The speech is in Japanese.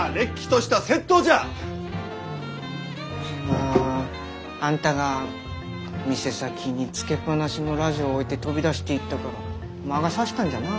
ああんたが店先につけっ放しのラジオ置いて飛び出していったから魔が差したんじゃなあ。